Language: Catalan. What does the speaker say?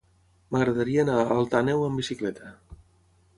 M'agradaria anar a Alt Àneu amb bicicleta.